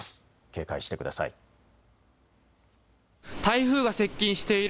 警戒してください。